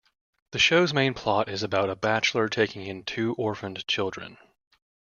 The show's main plot is about a bachelor taking in two orphaned children.